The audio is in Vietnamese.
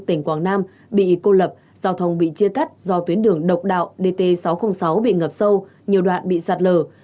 tỉnh quảng nam bị cô lập giao thông bị chia cắt do tuyến đường độc đạo dt sáu trăm linh sáu bị ngập sâu nhiều đoạn bị sạt lở